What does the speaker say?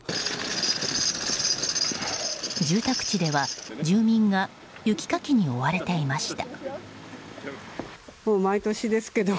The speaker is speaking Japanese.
住宅地では住民が雪かきに追われていました。